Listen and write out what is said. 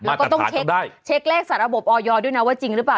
แล้วก็ต้องเช็คเลขสาระบบออยด้วยนะว่าจริงหรือเปล่า